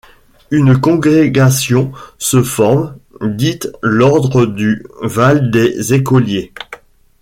Une congrégation se forme, dite l'ordre du Val-des-Écoliers.